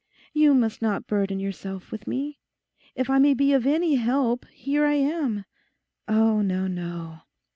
You must not burden yourself with me. If I may be of any help, here I am.... Oh, no, no....